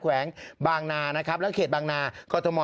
แขวงบางนานะครับแล้วเขตบางนากรทม